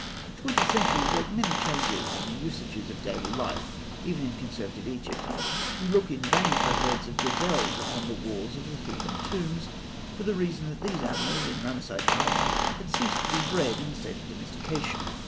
Twenty centuries work many changes in the usages of daily life, even in conservative Egypt. We look almost in vain for herds of gazelles upon the walls of the Theban tombs, for the reason that these animals, in Ramesside times, had ceased to be bred in a state of domestication.